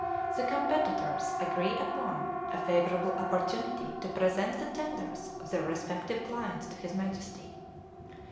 The competitors agree upon a favorable opportunity to present the tenders of their respective clients to his Majesty.